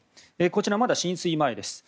こちらまだ進水前です。